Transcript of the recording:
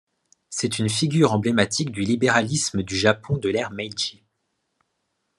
C'est une figure emblématique du libéralisme du Japon de l'ère Meiji.